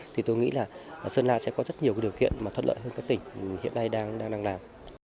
thì tôi nghĩ sơn la sẽ có rất nhiều điều kiện thất lợi hơn các tỉnh hiện nay đang làm